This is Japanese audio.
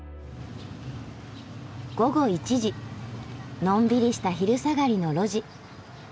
のんびりした昼下がりの路地。